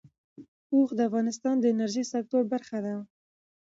اوښ د افغانستان د انرژۍ د سکتور برخه ده.